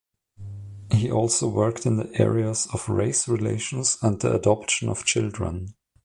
He also worked in the areas of race relations and the adoption of children.